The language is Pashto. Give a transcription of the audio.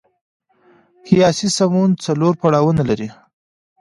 قیاسي سمون څلور پړاوونه لري.